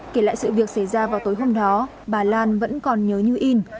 kể lại sự việc xảy ra vào tối hôm đó bà lan vẫn còn nhớ như in